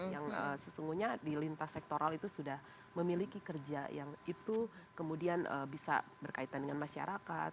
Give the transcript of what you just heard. yang sesungguhnya di lintas sektoral itu sudah memiliki kerja yang itu kemudian bisa berkaitan dengan masyarakat